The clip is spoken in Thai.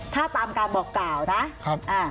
ถ้าตามการบอกกล่าวนะครับ